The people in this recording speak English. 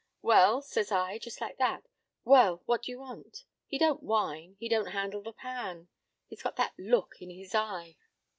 p> "'Well,' says I, just like that, 'Well, what do you want?' "He don't whine; he don't handle the pan. He's got that look in his eye.